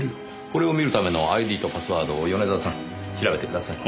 これを見るためのＩＤとパスワードを米沢さん調べてください。